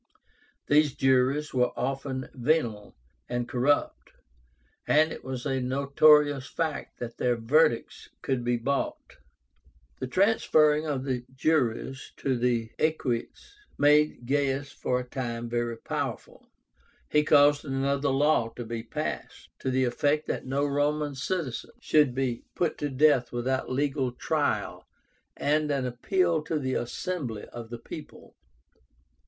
These juries were often venal and corrupt, and it was a notorious fact that their verdicts could be bought. The transferring of the juries to the Equites made Gaius for a time very powerful. He caused another law to be passed, to the effect that no Roman citizen should be put to death without legal trial and an appeal to the assembly of the people.